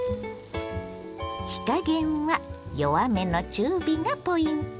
火加減は弱めの中火がポイント。